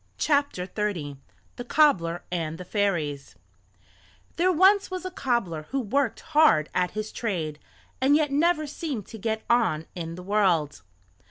THE COBBLER AND THE FAIRIES There was once a cobbler who worked hard at his trade, and yet never seemed to get on in the world.